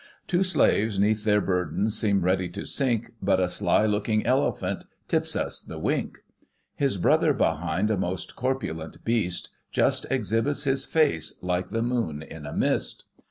Two slaves 'neath their burden seem ready to sink. But a sly looking elephant * tips us the wink '; His brother behind, a most corpulent beast. Just exhibits his face, like the moon in a mist.